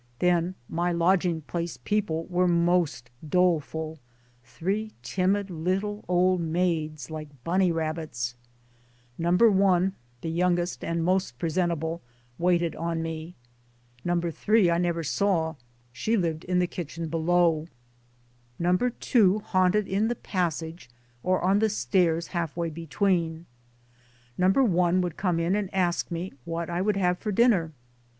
Then my lodging place people were most doleful three timid little old maids, like bunnie rabbits. No. I, the youngest and most presentable, waited on me ; No. 3 I never saw, she lived in the kitchen below ; No. 2 haunted in the passage or on the stairs half way between. No. i would come in and ask me what I would have for dinner.